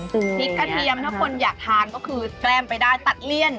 พริกกระเทียมถ้าคนอยากทานก็คือแกล้มไปได้ตัดเลี่ยน